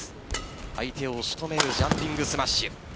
相手を仕留めるジャンピングスマッシュ。